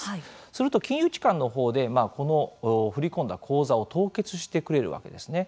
すると、金融機関のほうでこの振り込んだ口座を凍結してくれるわけですね。